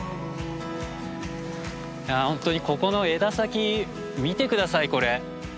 いや本当にここの枝先見て下さいこれ。